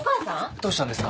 どうしたんですか？